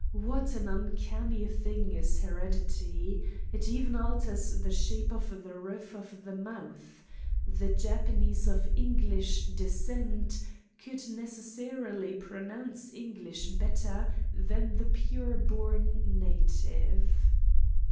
What an uncanny thing is heredity! It even alters the shape of the roof of the mouth. The Japanese of English descent could necessarily pronounce English better than the pure born native.